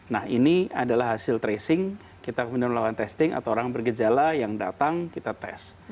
nah ini adalah hasil tracing kita kemudian melakukan testing atau orang bergejala yang datang kita tes